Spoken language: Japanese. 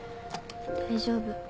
大丈夫。